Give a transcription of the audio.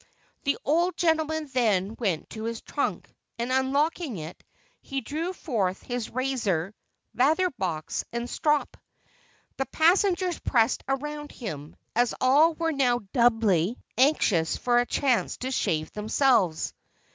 The old gentleman then went to his trunk, and unlocking it, he drew forth his razor, lather box and strop. The passengers pressed around him, as all were now doubly anxious for a chance to shave themselves.